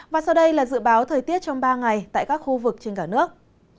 và sau đây là dự báo thời tiết trong ba ngày tại các khu vực trên cả nước